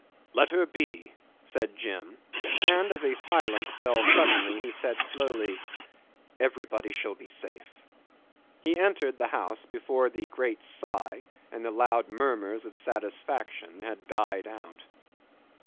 "Let her be," said Jim, and as a silence fell suddenly, he said slowly, "Everybody shall be safe." He entered the house before the great sigh, and the loud murmurs of satisfaction, had died out.